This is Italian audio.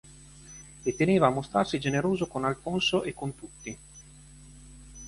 E teneva a mostrarsi generoso con Alfonso e con tutti.